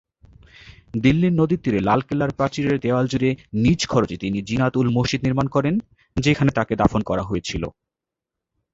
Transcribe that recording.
দিল্লির নদীর তীরে লালকেল্লা-র প্রাচীরের দেওয়াল জুড়ে নিজ খরচে তিনি জিনাত-উল-মসজিদ নির্মান করেন, যেখানে তাকে দাফন করা হয়েছিল।